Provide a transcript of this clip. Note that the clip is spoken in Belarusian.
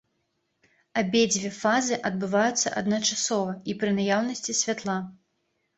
Абедзве фазы адбываюцца адначасова і пры наяўнасці святла.